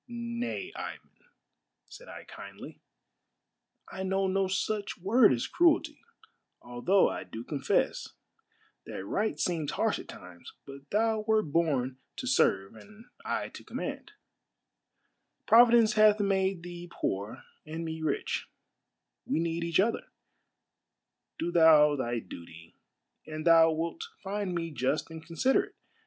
" Nay, Ivan," said I kindly, " I know no such word as cruelty although I do confess that right seems harsh at times, but thou wert born to serve and I to command. Providence hath made 14 A MARVELLOUS UNDERGROUND JOURNEY thee poor and me rich. We need each other. Do thou thy duty, and thou wilt find me just and considerate.